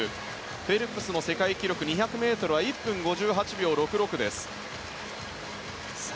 フェルプスの世界記録２００ｍは１分５８秒６６です。